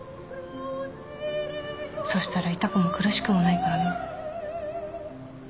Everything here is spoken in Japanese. そしたら痛くも苦しくもないからな。